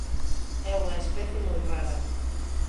É unha especie moi rara.